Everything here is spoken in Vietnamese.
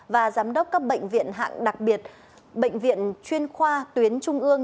và giám đốc các bệnh viện hạng đặc biệt bệnh viện chuyên khoa tuyến trung ương